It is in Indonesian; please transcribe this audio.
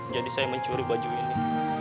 jadi saya mencuri baju ini